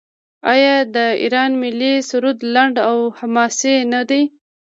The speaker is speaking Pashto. آیا د ایران ملي سرود لنډ او حماسي نه دی؟